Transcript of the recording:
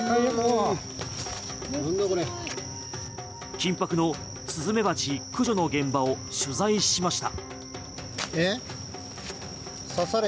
緊迫のスズメバチ駆除の現場を取材しました。